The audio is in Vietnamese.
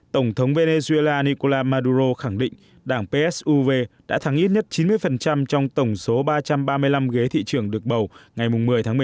tổng thống venezuela nicola maduro khẳng định đảng psuv đã thắng ít nhất chín mươi trong tổng số ba trăm ba mươi năm ghế thị trường được bầu ngày một mươi tháng một mươi một